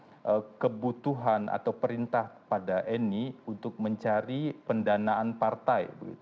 terkait dengan adanya kebutuhan atau perintah pada eni untuk mencari pendanaan partai